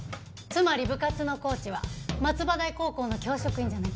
つまり部活のコーチは松葉台高校の教職員じゃなきゃいけないの。